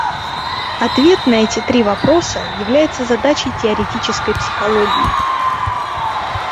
Ответ на эти три вопроса является задачей теоретической психологии.